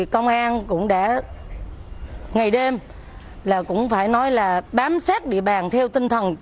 công an cũng đã ngày đêm là cũng phải nói là bám sát địa bàn theo tinh thần